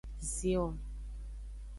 Zion.